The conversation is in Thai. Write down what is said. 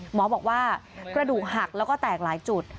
หมอบอกว่ากระดูกหักแล้วก็แตกหลายจุด